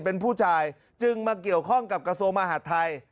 เป็นผู้ชายจึงมาเกี่ยวข้องกับกระทรวงมหาดไทย